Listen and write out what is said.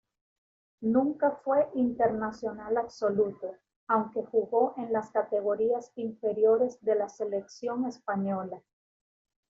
Nunca fue internacional absoluto, aunque jugó en las categorías inferiores de la selección española.